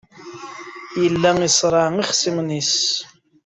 Yella iṣerreɛ ixṣimen-nnes.